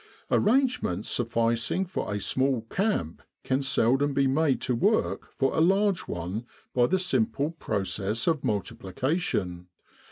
Arrangements sufficing for a small camp can seldom be made to work for a large one by the simple process of multiplication.